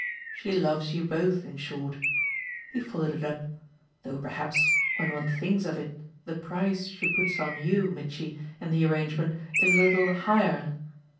She loves you both in short" he followed it up "though perhaps when one thinks of it the price she puts on you, Mitchy, in the arrangement, is a little the higher.